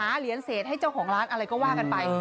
เหรียญเศษให้เจ้าของร้านอะไรก็ว่ากันไป